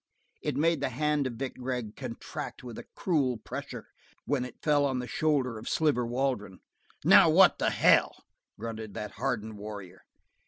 It made the hand of Vic Gregg contract with a cruel pressure when it fell on the shoulder of Sliver Waldron. "Now, what in hell!" grunted that hardened warrior.